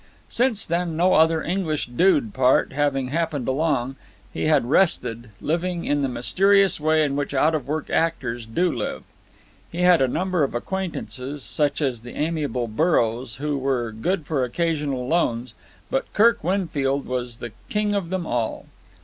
Since then, no other English dude part having happened along, he had rested, living in the mysterious way in which out of work actors do live. He had a number of acquaintances, such as the amiable Burrows, who were good for occasional loans, but Kirk Winfield was the king of them all.